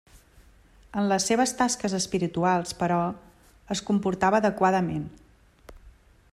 En les seves tasques espirituals però, es comportava adequadament.